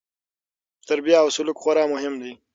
تربیه او سلوک خورا مهم دي.